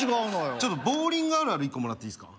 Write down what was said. ちょっとボウリングあるある一個もらっていいっすか？